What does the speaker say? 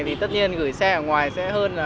thì tất nhiên gửi xe ở ngoài sẽ hơn